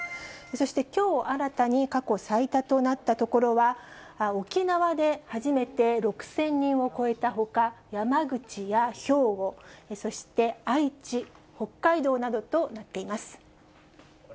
そして、きょう新たに過去最多となった所は、沖縄で初めて６０００人を超えたほか、山口や兵庫、そして愛知、北海道などとなっています。